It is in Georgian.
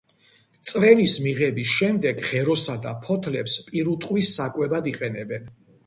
წვენის მიღების შემდეგ ღეროსა და ფოთლებს პირუტყვის საკვებად იყენებენ.